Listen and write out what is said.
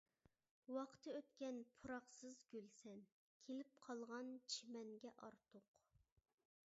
ۋاقتى ئۆتكەن پۇراقسىز گۈلسەن، كېلىپ قالغان چىمەنگە ئارتۇق.